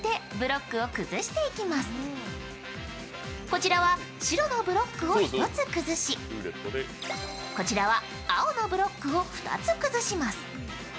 こちらは白のブロックを１つ崩しこちらは青のブロックを２つ崩します。